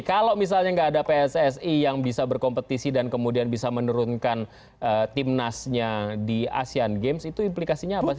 kalau misalnya nggak ada pssi yang bisa berkompetisi dan kemudian bisa menurunkan timnasnya di asean games itu implikasinya apa sih